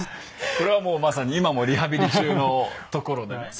これはもうまさに今もリハビリ中のところでね。